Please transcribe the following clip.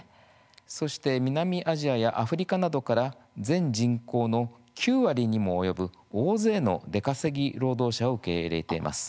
そして南アジアやアフリカなどから全人口の９割にも及ぶ大勢の出稼ぎ労働者を受け入れています。